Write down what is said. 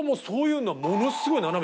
そういうのはものすごい。